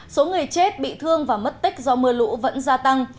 số người chết bị thương và mất tích do mưa lũ vẫn gia tăng